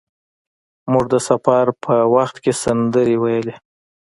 موږ د سفر په وخت کې سندرې ویل.